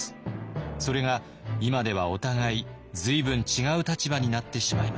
それが今ではお互い随分違う立場になってしまいました。